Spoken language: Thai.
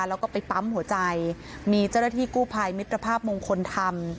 แล้วก็ไปปั๊มหัวใจมีเจ้าหน้าที่กู้ภัยมิตรภาพมงคลธรรม